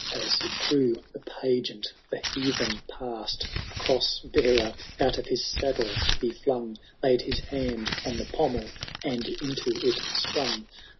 As through the pageant the heathen pass'd, A fvoss bearer out of his saddle he flung. Laid his hand on the pommel, and into it q>rung.